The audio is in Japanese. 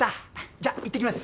じゃあ行ってきます。